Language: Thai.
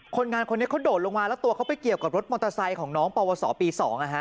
คนงานคนนี้เขาโดดลงมาแล้วตัวเขาไปเกี่ยวกับรถมอเตอร์ไซค์ของน้องปวสปี๒